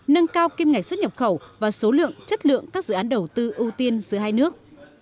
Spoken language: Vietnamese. nâng cao kim ngạch xuất nhập khẩu và số lượng chất lượng các dự án đầu tư ưu tiên giữa hai nước